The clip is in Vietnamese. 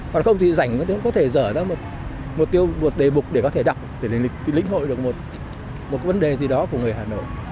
còn không thì dành có thể dở ra một tiêu đề bục để có thể đọc để lĩnh hội được một vấn đề gì đó của người hà nội